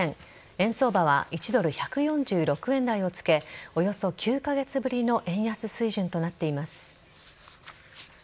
円相場は１ドル１４６円台をつけおよそ９カ月ぶりの円安水準となっています。